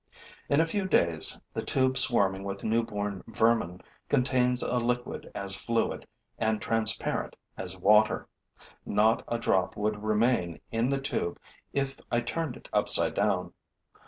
In a few days, the tube swarming with newborn vermin contains a liquid as fluid and transparent as water. Not a drop would remain in the tube if I turned it upside down.